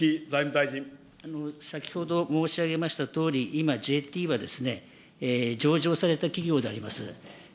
先ほど申し上げましたとおり、今、ＪＴはですね、上場された企業であります。